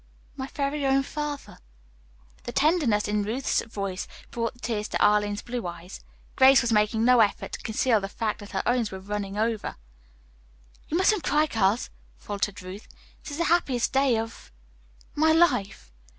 "My very own father." The tenderness in Ruth's voice brought the tears to Arline's blue eyes. Grace was making no effort to conceal the fact that her own were running over. "You mustn't cry, girls," faltered Ruth. "It's the happiest day of my life."